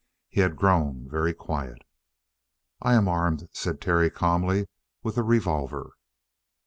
He had grown very quiet. "I am armed," said Terry calmly, "with a revolver."